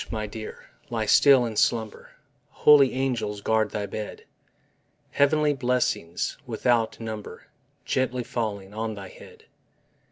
my dear, lie still and slumber, Holy angels guard thy bed! Heavenly blessings without number Gently falling on thy head.